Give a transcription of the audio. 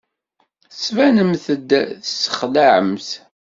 Tettbanemt-d tessexlaɛemt.